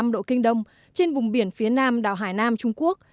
một trăm linh chín năm độ kinh đông trên vùng biển phía nam đảo hải nam trung quốc